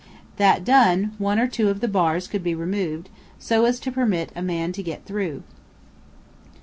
That done, one or two of the bars could be removed, so as to permit a man to get through.